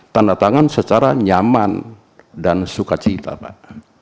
tandatangan secara nyaman dan suka cita pak